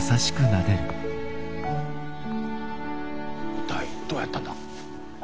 一体どうやったんだ？